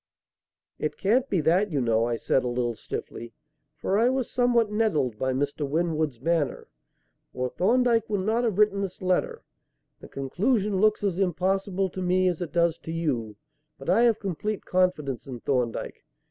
"It can't be that, you know," I said, a little stiffly, for I was somewhat nettled by Mr. Winwood's manner, "or Thorndyke would not have written this letter. The conclusion looks as impossible to me as it does to you; but I have complete confidence in Thorndyke.